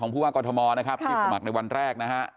ผู้ว่ากรทมนะครับที่สมัครในวันแรกนะฮะ